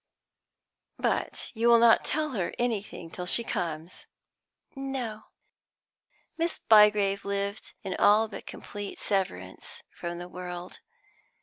"But you will not tell her anything till she comes?" "No." Miss Bygrave lived in all but complete severance from the world.